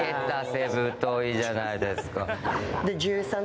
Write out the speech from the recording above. いいじゃないですか